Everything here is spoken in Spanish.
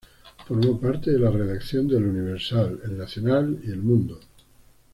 Formó parte de la redacción de "El Universal", "El Nacional" y "El Mundo".